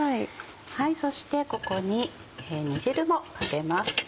そしてここに煮汁もかけます。